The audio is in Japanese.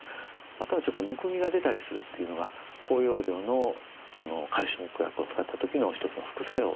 あとはちょっとむくみが出たりするっていうのが高容量のカルシウム拮抗薬を使った時の一つの副作用ですね。